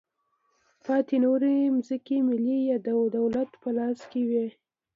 پاتې نورې ځمکې ملي یا د دولت په لاس کې وې.